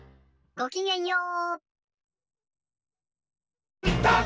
ごきげんよう！